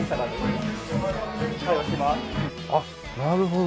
あっなるほど。